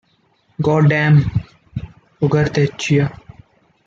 God damn Ugartechea.